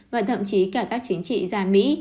và thậm chí cả các chính trị gia mỹ